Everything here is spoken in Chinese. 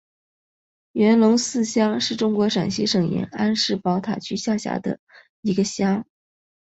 元龙寺乡是中国陕西省延安市宝塔区下辖的一个乡。